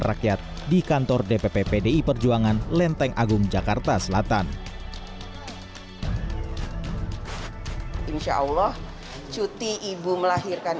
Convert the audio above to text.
rakyat di kantor dpp pdi perjuangan lenteng agung jakarta selatan insyaallah cuti ibu melahirkan